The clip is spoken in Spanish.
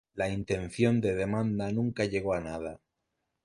La intención de demanda nunca llegó a nada.